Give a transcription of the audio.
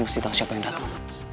kamu harus tahu siapa yang datang